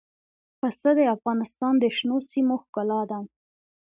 پسه د افغانستان د شنو سیمو ښکلا ده.